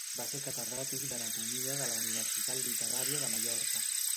Va ser catedràtic d'anatomia de la Universitat Literària de Mallorca.